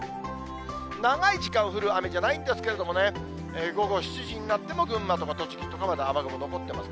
長い時間降る雨じゃないんですけれどもね、午後７時になっても、群馬とか栃木は雨雲残ってます。